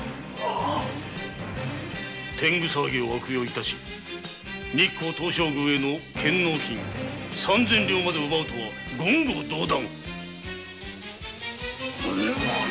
天狗騒ぎを悪用し日光東照宮への献納金三千両まで奪うとは言語道断！